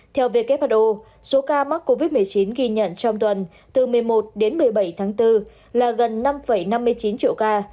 theo who số ca mắc covid một mươi chín ghi nhận trong tuần từ một mươi một đến một mươi bảy tháng bốn là gần năm năm mươi chín triệu ca